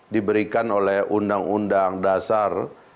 diberikan oleh undang undang dasar